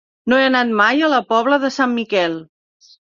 No he anat mai a la Pobla de Sant Miquel.